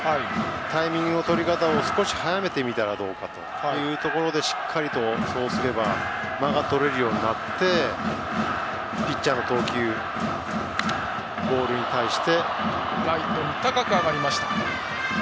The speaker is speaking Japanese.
タイミングのとり方を少し早めてみたらどうかというところでそうすれば間がとれるようになってピッチャーの投球ボールに対して。